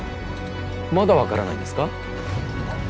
まだわからないんですか？